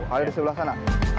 ada di sebelah sana